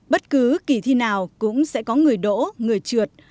bất cứ kỳ thi nào cũng sẽ có người đỗ người trượt